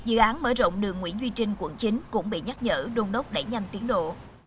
dự án mở rộng đường nguyễn duy trinh quận chín cũng bị nhắc nhở đôn đốc đẩy nhanh tiến độ